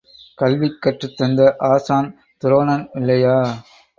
கல்வி கற்றுத்தந்த ஆசான் துரோணன் இல்லையா?